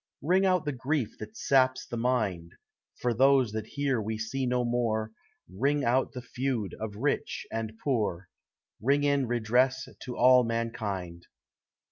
Ring out the grief that saps the mind, For those that here we see no more; Ring out the feud of rich and poor, Ring in redress to all mankind.